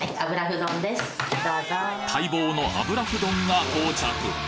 待望の油麩丼が到着